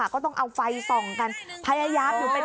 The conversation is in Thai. ก็ต้องเอาไฟส่องกันพยายามอยู่เป็น